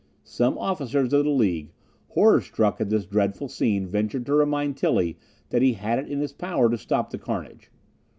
Some officers of the League, horror struck at this dreadful scene, ventured to remind Tilly that he had it in his power to stop the carnage.